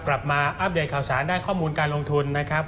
มาอัปเดตข่าวสารได้ข้อมูลการลงทุนนะครับ